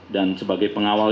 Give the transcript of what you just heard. dan sebagai pengawal